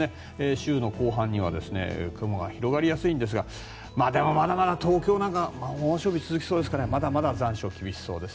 週の後半には雲が広がりやすいんですがでも、まだまだ東京なんか猛暑日が続きそうですからまだまだ残暑、厳しそうです。